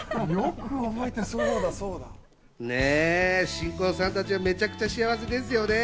新婚さん達、めちゃくちゃ幸せですよね。